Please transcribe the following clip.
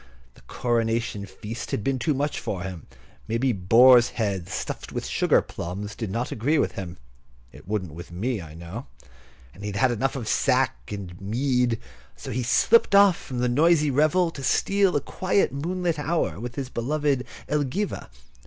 The coronation feast had been too much for him. Maybe boar's head stuffed with sugar plums did not agree with him (it wouldn't with me, I know), and he had had enough of sack and mead; so he slipped from the noisy revel to steal a quiet moonlight hour with his beloved Elgiva.